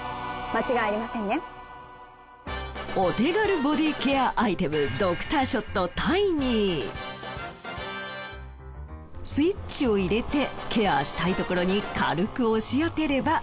お手軽ボディケアアイテムスイッチを入れてケアしたいところに軽く押し当てれば。